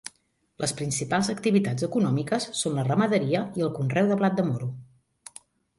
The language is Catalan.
Les principals activitats econòmiques són la ramaderia i el conreu de blat de moro.